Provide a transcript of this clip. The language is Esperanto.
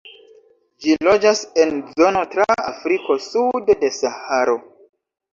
Ĝi loĝas en zono tra Afriko sude de Saharo.